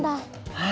はい。